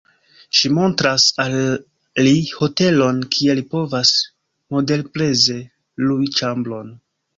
Ŝi montras al li hotelon kie li povas moderpreze lui ĉambron.